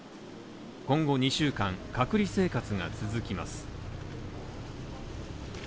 今後２週間隔離生活が続きます。